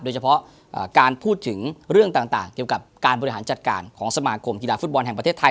โดยเฉพาะการพูดถึงเรื่องต่างเกี่ยวกับการบริหารจัดการของสมาคมกีฬาฟุตบอลแห่งประเทศไทย